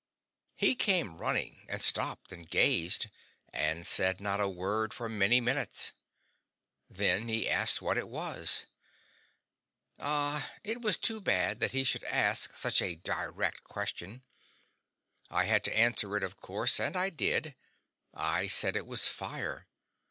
He came running, and stopped and gazed, and said not a word for many minutes. Then he asked what it was. Ah, it was too bad that he should ask such a direct question. I had to answer it, of course, and I did. I said it was fire.